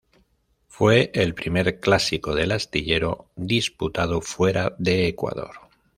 Fue el primer Clásico del Astillero disputado fuera de Ecuador.